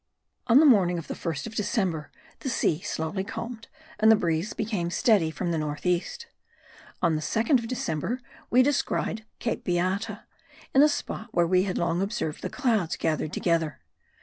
On the morning of the 1st of December the sea slowly calmed and the breeze became steady from north east. On the 2nd of December we descried Cape Beata, in a spot where we had long observed the clouds gathered together.